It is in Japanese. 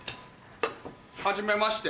はじめまして。